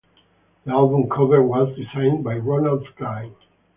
The album cover was designed by Ronald Clyne.